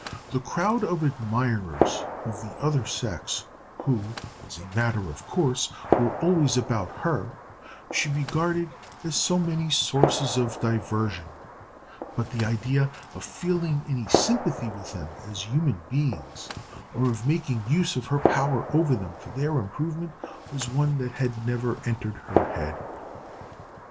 The crowd of admirers of the other sex, who, as a matter of course, were always about her, she regarded as so many sources of diversion; but the idea of feeling any sympathy with them as human beings, or of making use of her power over them for their improvement, was one that had never entered her head.